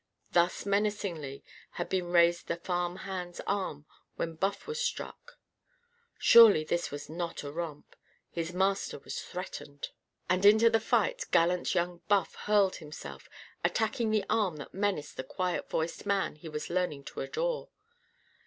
Thus menacingly had been raised the farm hand's arm when Buff was struck. Surely this was not a romp! His master was threatened. And into the fight gallant young Buff hurled himself attacking the arm that menaced the quiet voiced man he was learning to adore.